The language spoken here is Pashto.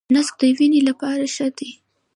نسک د وینې لپاره ښه دي.